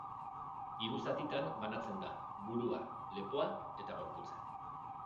Hiru zatitan banatzen da: burua, lepoa eta gorputza.